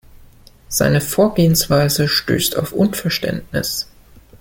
Seine Vorgehensweise stößt auf Unverständnis.